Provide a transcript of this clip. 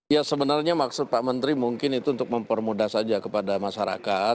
ya sebenarnya maksud pak menteri mungkin itu untuk mempermudah saja kepada masyarakat